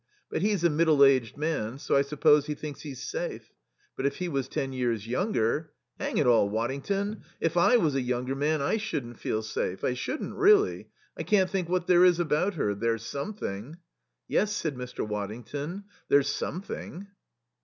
But he's a middle aged man, so I suppose he thinks he's safe. ... But if he was ten years younger Hang it all, Waddington, if I was a younger man I shouldn't feel safe. I shouldn't, really. I can't think what there is about her. There's something." "Yes," said Mr. Waddington, "there's something."